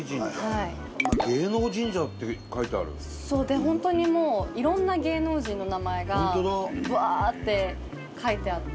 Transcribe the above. でほんとにもういろんな芸能人の名前がぶわって書いてあって。